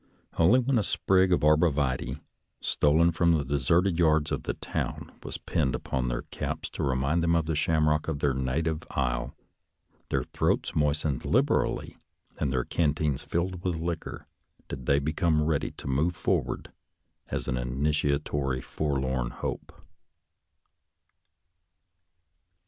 Only when a sprig of arbor vitse, stolen from the deserted yards of the town, was pinned upon their caps to remind them of the shamrock of their native Isle, their throats moistened lib erally and their canteens filled with liquor, did they become ready to move forward as an initia tory forlorn hope.